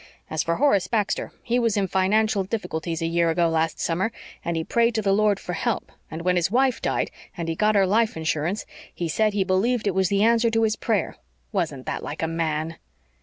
As for Horace Baxter, he was in financial difficulties a year ago last summer, and he prayed to the Lord for help; and when his wife died and he got her life insurance he said he believed it was the answer to his prayer. Wasn't that like a man?"